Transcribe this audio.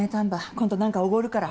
今度何かおごるから。